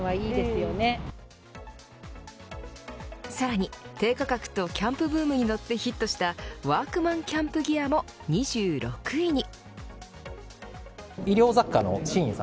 さらに低価格とキャンプブームに乗ってヒットしたワークマンキャンプギアも２６位に。